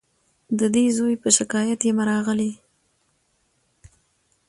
د دې زوی په شکایت یمه راغلې